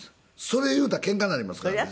それ言うたらケンカになりますからね。